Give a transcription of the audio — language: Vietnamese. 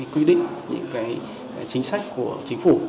quy định những chính sách của chính phủ